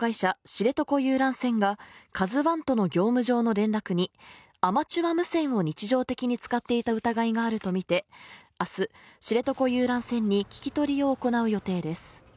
知床遊覧船が「ＫＡＺＵ１」との業務上の連絡にアマチュア無線を日常的に使っていた疑いがあると見て明日知床遊覧船に聞き取りを行う予定です